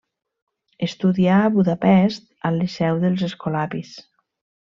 Estudià a Budapest, al liceu dels escolapis.